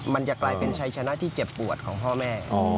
มันจะกลายเป็นชัยชนะที่เจ็บปวดของพ่อแม่